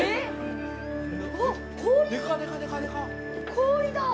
◆氷だ。